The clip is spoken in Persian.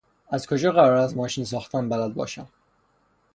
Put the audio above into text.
از کجا قرار است ماشین ساختن بلد باشم؟